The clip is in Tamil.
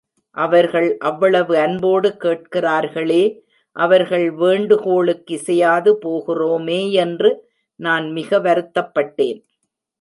அவர்கள் அவ்வளவு அன்போடு கேட்கிறார்களே, அவர்கள் வேண்டு கோளுக்கிசையாது போகிறோமேயென்று நான் மிக வருத்தப்பட்டேன்.